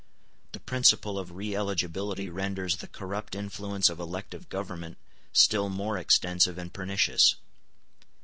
The principle of re eligibility renders the corrupt influence of elective government still more extensive and pernicious.